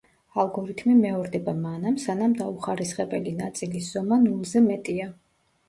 ალგორითმი მეორდება მანამ, სანამ დაუხარისხებელი ნაწილის ზომა ნულზე მეტია.